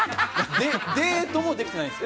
デートもできてないんですよ。